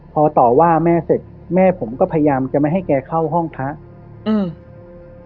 พอต่อว่าแม่เสร็จแม่ผมก็พยายามจะไม่ให้แกเข้าห้องพระอืม